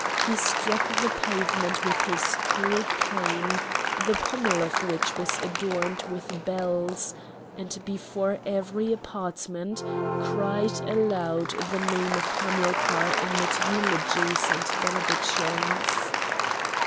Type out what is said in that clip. He struck the pavement with his tall cane, the pommel of which was adorned with bells, and before every apartment cried aloud the name of Hamilcar amid eulogies and benedictions.